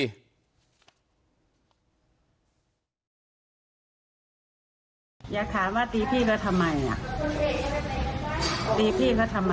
อยากถามว่าตีพี่ก็ทำไม